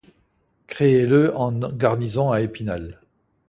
Créé le en garnison à Épinal.